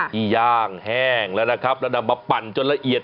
ย่างแห้งแล้วนะครับแล้วนำมาปั่นจนละเอียด